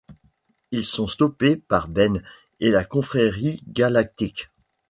Ils sont stoppés par Ben et la Confrérie Galactique.